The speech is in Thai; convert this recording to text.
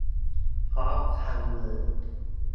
เพราะคันมือ